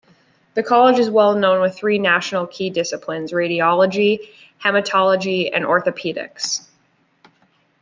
The college is well known with three national key disciplines: radiology, haematology and orthopaedics.